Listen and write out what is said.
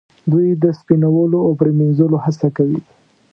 دوی د سپینولو او پریمینځلو هڅه کوي.